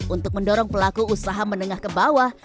untuk mendorong pelaku usaha menengah ke bawah